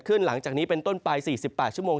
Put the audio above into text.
หลังจากนี้เป็นต้นไป๔๘ชั่วโมง